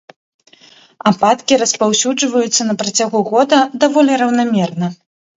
Ападкі распаўсюджваюцца на працягу года даволі раўнамерна.